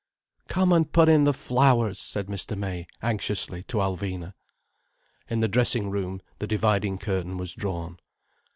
"Come and put in the flowers," said Mr. May anxiously, to Alvina. In the dressing room, the dividing curtain was drawn.